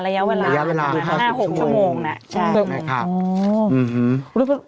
ระยะเวลา๕๐ชั่วโมง